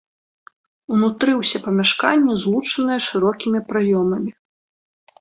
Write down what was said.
Унутры ўсе памяшканні злучаныя шырокімі праёмамі.